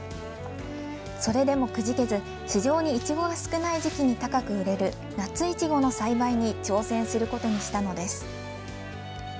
それでも、くじけず市場にいちごが少ない時期に高く売れる夏いちごの栽培に挑戦することにしたのです。